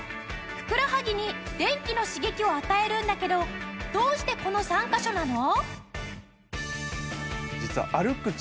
ふくらはぎに電気の刺激を与えるんだけどどうしてこの３カ所なの？